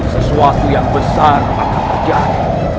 sesuatu yang besar akan terjadi